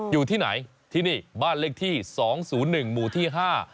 อยู่ที่ไหนที่นี่บ้านเลขที่๒๐๑หมู่ที่๕